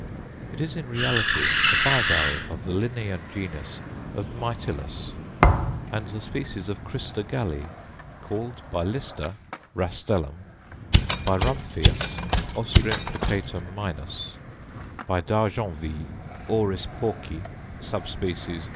It is in reality a bivalve of the Linnaean genus of Mytilus, and the species of Crista Galli; called by Lister, Rastellum; by Rumphius, Ostreum plicatum minus; by D'Argenville, Auris Porci, s.